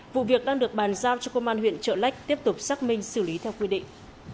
vụ việc đang được bàn giao cho công an huyện trợ lách tiếp tục xác minh xử lý theo quy định